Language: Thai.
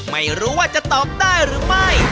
ไม่รู้ว่าจะตอบได้หรือไม่